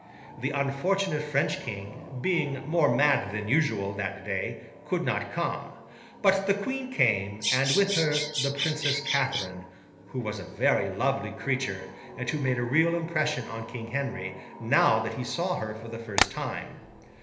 The unfortunate French King, being more mad than usual that day, could not come; but the Queen came, and with her the Princess Catherine: who was a very lovely creature, and who made a real impression on King Henry, now that he saw her for the first time.